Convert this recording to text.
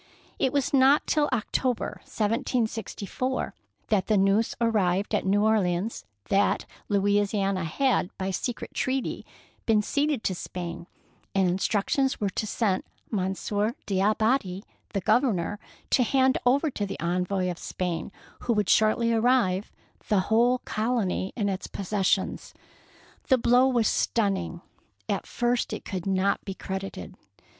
It was not till October, 1764, that the news arrived at New Orleans that Louisiana had, by secret treaty, been ceded to Spain, and instructions were sent to Monsieur D'Abadie, the Oov ernor, to hand over to the envoy of Spain, who would shortly arrive, the whole colony and its possessions. The blow was stunning ! At first it could not be credited.